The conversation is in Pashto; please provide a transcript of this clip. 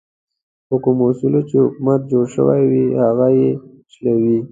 په کومو اصولو چې حکومت جوړ شوی وي هغه یې شلوي.